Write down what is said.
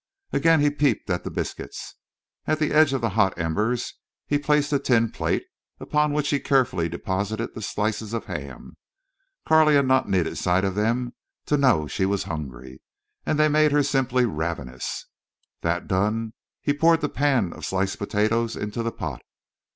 Again he peeped at the biscuits. At the edge of the hot embers he placed a tin plate, upon which he carefully deposited the slices of ham. Carley had not needed sight of them to know she was hungry; they made her simply ravenous. That done, he poured the pan of sliced potatoes into the pot.